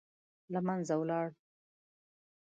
له منځه ولاړ.